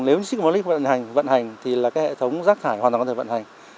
nếu như trích carbonic vận hành thì là cái hệ thống rác thải hoàn toàn có thể vận hành